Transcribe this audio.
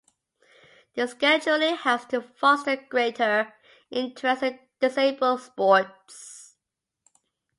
This scheduling helps to foster greater interest in disabled sports.